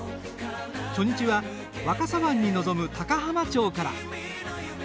初日は若狭湾に臨む高浜町から。